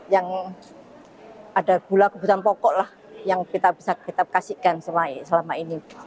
yang ada gula kebutuhan pokok lah yang bisa kita kasihkan selama ini